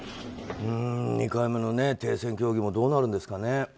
２回目の停戦協議もどうなるんですかね。